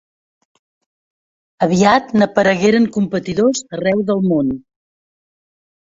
Aviat n'aparegueren competidors arreu del món.